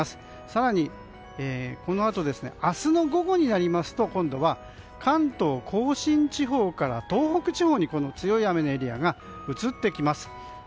更にこのあと明日の午後になると今度は関東・甲信地方から東北地方に強い雨のエリアが移ってきます。